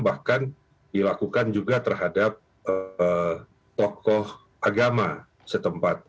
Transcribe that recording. bahkan dilakukan juga terhadap tokoh agama setempat